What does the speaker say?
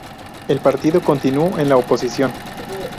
El partido continuó en la oposición.